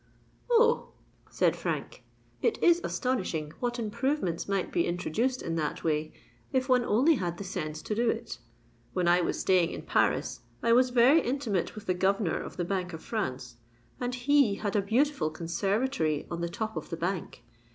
"Oh!" said Frank, "it is astonishing what improvements might be introduced in that way, if one only had the sense to do it. When I was staying in Paris, I was very intimate with the Governor of the Bank of France, and he had a beautiful conservatory on the top of the Bank.